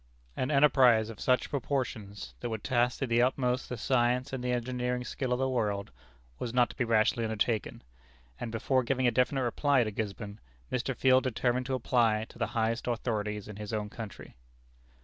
An enterprise of such proportions, that would task to the utmost the science and the engineering skill of the world, was not to be rashly undertaken; and before giving a definite reply to Gisborne, Mr. Field determined to apply to the highest authorities in his own country.